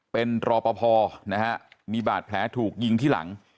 เป็นรอปภนะฮะมีบาดแผลถูกยิงที่หลัง